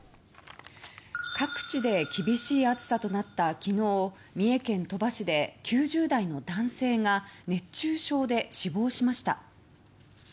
各地で厳しい暑さとなった昨日三重県鳥羽市で９０代の男性が熱中症で死亡しました。